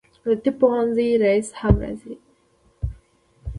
د طب پوهنځي رییسه هم راځي.